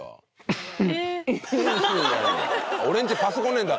「俺んちパソコンねえんだ」